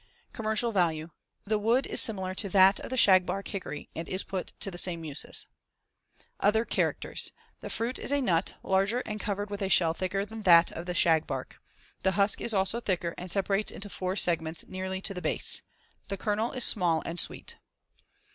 Commercial value: The wood is similar to that of the shagbark hickory and is put to the same uses. Other characters: The fruit is a nut, larger and covered with a shell thicker than that of the shagbark. The husk is also thicker and separates into four segments nearly to the base. The kernel is small and sweet.